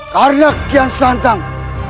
karena kian santang